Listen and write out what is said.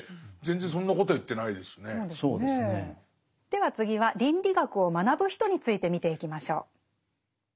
では次は倫理学を学ぶ人について見ていきましょう。